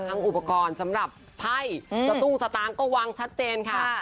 อุปกรณ์สำหรับไพ่สตุ้งสตางค์ก็วางชัดเจนค่ะ